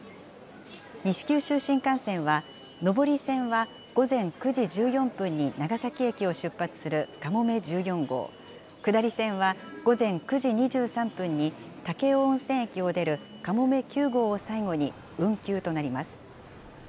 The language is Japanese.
西九州新幹線は上り線は午前９時１４分に長崎駅を出発するかもめ１４号、下り線は午前９時２３分に武雄温泉駅を出るかもめ９号を最後に運休となります。